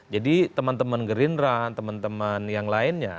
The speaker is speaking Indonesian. jadi teman teman gerindra teman teman yang lainnya